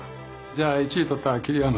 じゃあ１位取った桐山。